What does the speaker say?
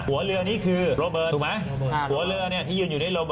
หัวเรือนี่คือถูกไหมหัวเรือเนี้ยที่ยืนอยู่ใน